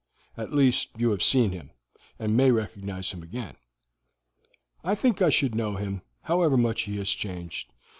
At least, you have seen him, and may recognize him again." "I think I should know him, however much he has changed.